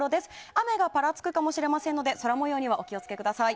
雨がぱらつくかもしれませんので空模様にはお気を付けください。